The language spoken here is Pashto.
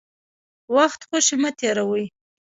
وخت خوشي مه تېروئ.